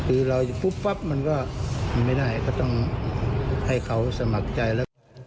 คือเราปุ๊บปั๊บมันก็ไม่ได้ก็ต้องให้เขาสมัคร